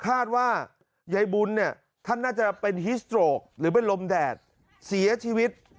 คาดว่ายายบุญเนี่ยท่านน่าจะเป็นฮิสโตรกหรือเป็นลมแดดเสียชีวิต